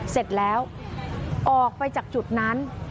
เสร็จแล้วออกไปจากจุดนั้น